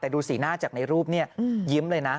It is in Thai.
แต่ดูสีหน้าจากในรูปนี้ยิ้มเลยนะ